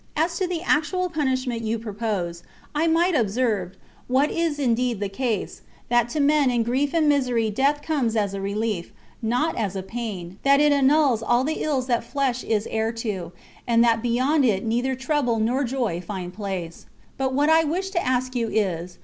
As to the actual punishment you propose, I might observe, what is indeed the case, that to men in grief and misery death comes as a rehef, not as a pain, that it annuls all the ills that flesh is heir to, and that beyond it neither trouble nor joy find place. But what I wish to ask you is.